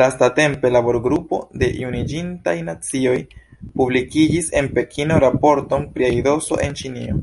Lastatempe labor-grupo de Unuiĝintaj Nacioj publikigis en Pekino raporton pri aidoso en Ĉinio.